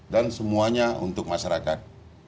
dan semuanya untuk masyarakat